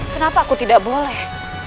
kenapa aku tidak boleh